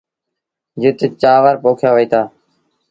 جت چآور پوکيآ وهيٚتآ۔